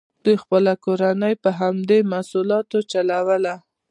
دوی خپله کورنۍ په همدې محصولاتو چلوله.